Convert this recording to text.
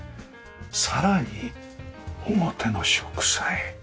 さらに表の植栽。